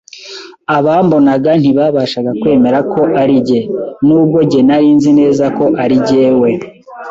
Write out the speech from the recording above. Abambonaga ntibabashaga kwemera ko ari jye, n’ubwo jye nari nzi neza ko ari jyewe.